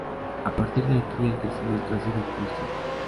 A partir de aquí, el crecimiento ha sido constante.